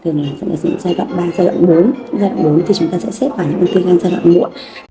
thường là giai đoạn ba giai đoạn bốn giai đoạn bốn thì chúng ta sẽ xếp vào những uống thư gan giai đoạn muộn